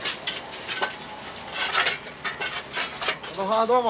あどうも。